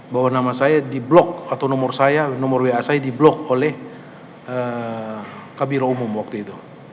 bawa nama saya di blok atau nomor saya nomor wa saya di blok oleh kabiro umum waktu itu